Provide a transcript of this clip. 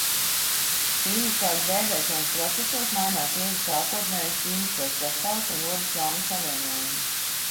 Ķīmiskās dēdēšanas procesos mainās iežu sākotnējais ķīmiskais sastāvs un rodas jauni savienojumi.